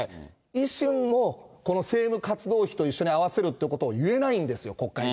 維新も、この政務活動費と一緒に合わせるということを言えないんですよ、国会に。